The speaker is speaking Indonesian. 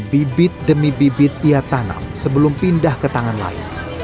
bibit demi bibit ia tanam sebelum pindah ke tangan lain